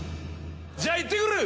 じゃあいってくる！